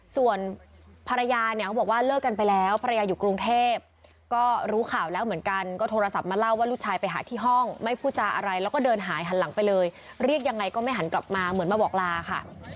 ส่วนภรรยาเนี่ยเขาบอกว่าเลิกกันไปแล้วภรรยาอยู่กรุงเทพก็รู้ข่าวแล้วเหมือนกันก็โทรศัพท์มาเล่าว่าลูกชายไปหาที่ห้องไม่พูดจาอะไรแล้วก็เดินหายหันหลังไปเลยเรียกยังไงก็ไม่หันกลับมาเหมือนมาบอกลาค่ะ